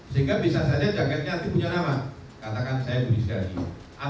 sehingga bisa saja jaketnya punya nama katakan saya budi sehari